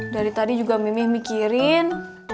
dari tadi juga mimih mikirin